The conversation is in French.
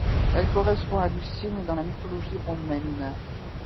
Elle correspond à Lucine dans la mythologie romaine.